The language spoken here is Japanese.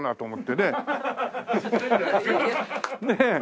ねえ。